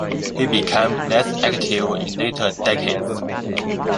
He became less active in later decades.